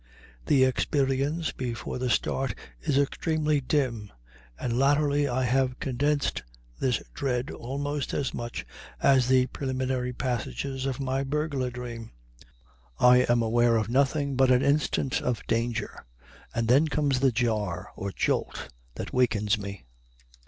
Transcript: The experience before the start is extremely dim, and latterly I have condensed this dread almost as much as the preliminary passages of my burglar dream. I am aware of nothing but an instant of danger, and then comes the jar or jolt that wakens me.